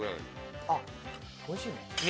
あっおいしいね。